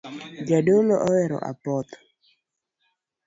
Jadolo ohero apoth